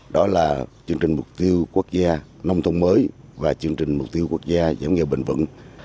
đó là chương trình mục tiêu quốc gia nông thông mới và chương trình mục tiêu quốc gia giảm nghèo bền vững